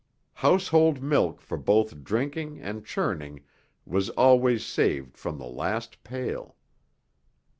Household milk for both drinking and churning was always saved from the last pail.